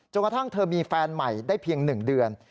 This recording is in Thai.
กระทั่งเธอมีแฟนใหม่ได้เพียง๑เดือน